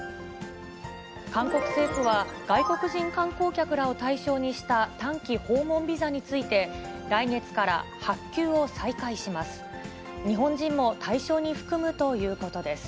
韓国政府は、外国人観光客らを対象にした短期訪問ビザについて、来月から発給を再開します。